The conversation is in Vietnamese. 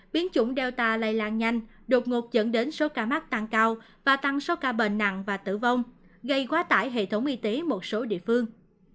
biến chủng delta lây lan nhanh đột ngột dẫn đến số ca mắc tăng cao và tăng số ca bệnh nặng và tử vong gây quá tải hệ thống y tế một số địa phương